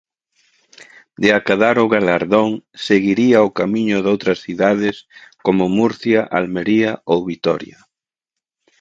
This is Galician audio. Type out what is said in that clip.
De acadar o galardón seguiría o camiño doutras cidades como Murcia, Almería ou Vitoria.